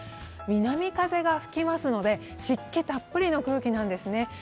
南風が吹きますので湿気たっぷりの空気なんですね。